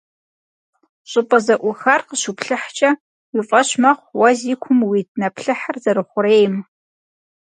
ЩӀыпӀэ зэӀухар къыщуплъыхькӀэ, уи фӀэщ мэхъу уэ зи кум уит нэплъыхьыр зэрыхъурейм.